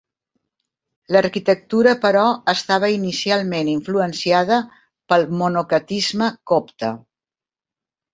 L'arquitectura, però, estava inicialment influenciada pel monacatisme copte.